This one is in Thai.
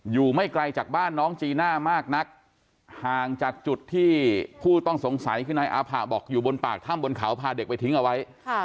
ไม่ไกลจากบ้านน้องจีน่ามากนักห่างจากจุดที่ผู้ต้องสงสัยคือนายอาผะบอกอยู่บนปากถ้ำบนเขาพาเด็กไปทิ้งเอาไว้